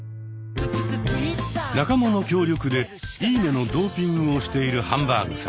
仲間の協力で「いいね」のドーピングをしているハンバーグさん。